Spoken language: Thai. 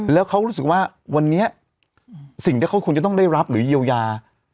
แล้วเขารู้สึกว่าวันนี้สิ่งที่เขาควรจะต้องได้รับหรือเยียวยา